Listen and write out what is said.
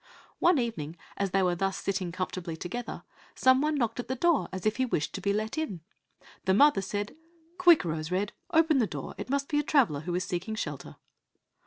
One evening, as they were thus sitting comfortably together, some one knocked at the door as if he wished to be let in. The mother said, "Quick, Rose red, open the door, it must be a traveller who is seeking shelter."